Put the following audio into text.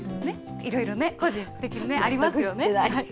いろいろ、個人的にありますよね。